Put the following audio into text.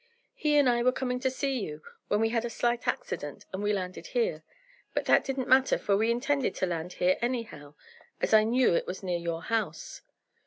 He and I were coming to see you, when we had a slight accident, and we landed here. But that didn't matter, for we intended to land here anyhow, as I knew it was near your house.